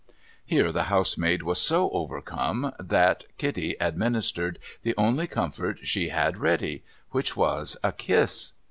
Here the housemaid was so overcome that Kitty administered the only comfort she had ready : which was a kiss.